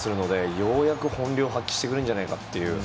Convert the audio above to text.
ようやく本領発揮してくれるんじゃないかと。